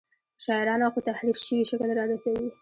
په شاعرانه خو تحریف شوي شکل رارسوي.